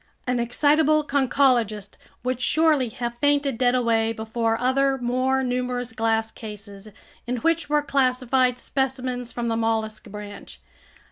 An excitable conchologist would surely have fainted dead away before other, more numerous glass cases in which were classified specimens from the mollusk branch.